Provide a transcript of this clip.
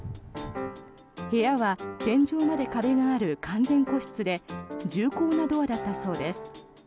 部屋は天井まで壁がある完全個室で重厚なドアだったそうです。